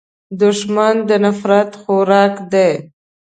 دښمن د نفرت خوراک دی